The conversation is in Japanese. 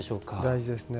大事ですね。